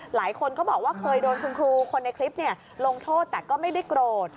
หลายคนก็บอกว่าเคยโดนคุณครูคนในคลิปลงโทษแต่ก็ไม่ได้โกรธ